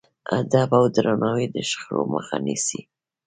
ادب او درناوی د شخړو مخه نیسي.